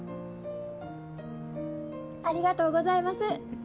ありがとうございます。